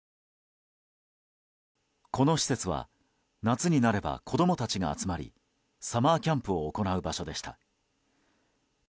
この施設は夏になれば子供たちが集まりサマーキャンプを行う場所でした。